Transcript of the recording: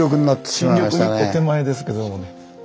新緑一歩手前ですけどもね。